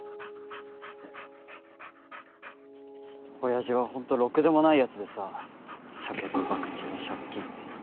親父はホントろくでもないやつでさ酒とばくちと借金。